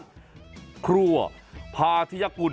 ร้านครัวพาธิยกุล